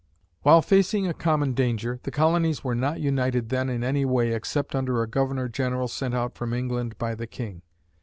While facing a common danger, the colonies were not united then in any way, except under a Governor General sent out from England by the King.